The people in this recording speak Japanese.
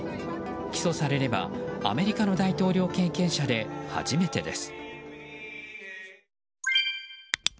起訴されれば、アメリカの大統領経験者で初めてです。